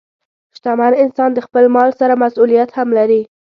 شتمن انسان د خپل مال سره مسؤلیت هم لري.